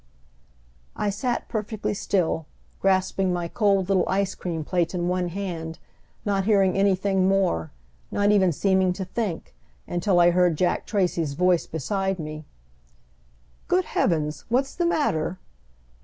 I sat perfectly still, grasping my cold little ice cream plate in one hand, not hearing anything more, not even seeming to think, until I heard Jack Tracy's voice beside me. "Good Heavens! what's the matter?"